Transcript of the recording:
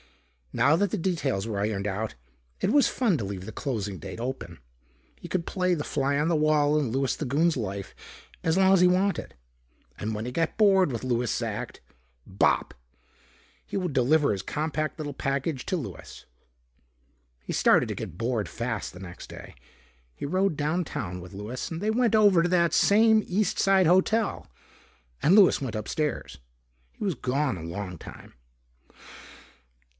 Now that the details were ironed out, it was fun to leave the closing date open. He could play the fly on the wall in Louis the Goon's life as long as he wanted. And when he got bored with Louis's act bop! he would deliver his compact little package to Louis.... He started to get bored fast the next day. He rode downtown with Louis and they went over to that same East side hotel and Louis went upstairs. He was gone a long time.